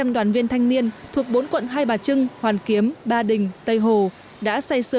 hai trăm linh đoàn viên thanh niên thuộc bốn quận hai bà trưng hoàn kiếm ba đình tây hồ đã say sơ